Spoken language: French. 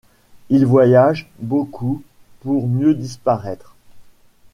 Il voyage, beaucoup, pour mieux disparaître.